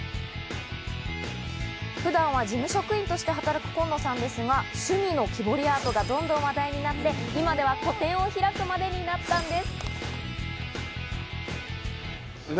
普段は事務職員として働くコンノさんですが、趣味の木彫りアートがどんどん話題になって、今では個展を開くまでになったんです。